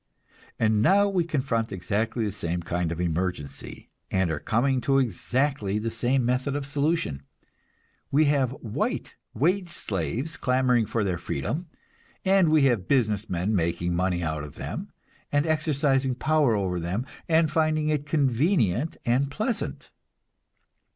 And now we confront exactly the same kind of emergency, and are coming to exactly the same method of solution. We have white wage slaves clamoring for their freedom, and we have business men making money out of them, and exercising power over them, and finding it convenient and pleasant.